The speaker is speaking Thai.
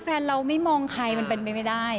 แฟนเราไม่มองใครมันเป็นไปไม่ได้